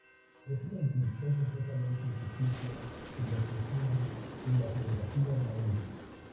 Es una descripción completamente ficticia de las costumbres y la geografía de la India.